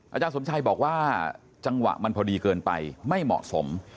อาจารย์สมชัยบอกว่าจังหวะมันพอดีเกินไปไม่เหมาะสม